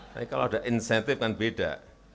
tapi kalau ada insentif kan beda